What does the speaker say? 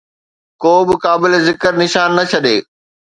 ڪو به قابل ذڪر نشان نه ڇڏي